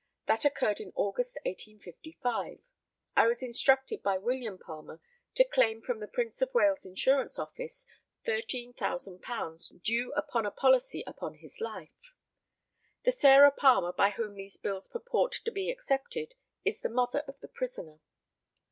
That occurred in August, 1855. I was instructed by William Palmer to claim from the Prince of Wales insurance office £13,000 due upon a policy upon his life. The Sarah Palmer by whom these bills purport to be accepted is the mother of the prisoner.